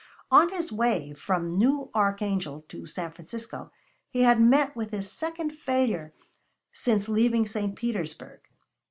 On his way from New Archangel to San Francisco he had met with his second failure since leaving St. Petersburg.